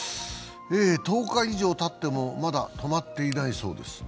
１０日以上たっても、まだ止まっていないそうです。